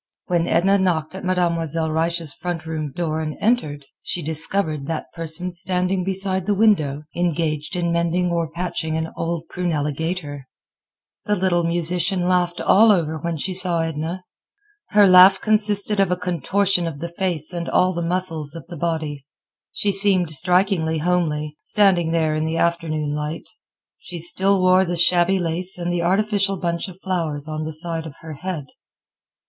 When Edna knocked at Mademoiselle Reisz's front room door and entered, she discovered that person standing beside the window, engaged in mending or patching an old prunella gaiter. The little musician laughed all over when she saw Edna. Her laugh consisted of a contortion of the face and all the muscles of the body. She seemed strikingly homely, standing there in the afternoon light. She still wore the shabby lace and the artificial bunch of violets on the side of her head.